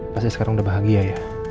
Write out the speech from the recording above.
pasti sekarang udah bahagia ya